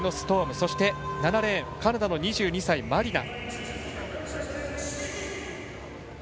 そして、７レーンカナダの２２歳マリナ。